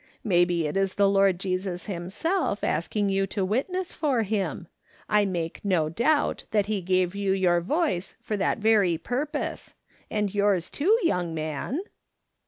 Maybe it is the Lord Jesus himself asking you to witness for him. I make no doubt that he gave you your voice for that very purpose ; and yours too, young man."